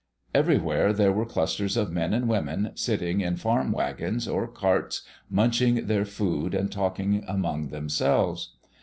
Everywhere there were clusters of men and women, sitting in farm wagons or carts munching their food and talking among themselves.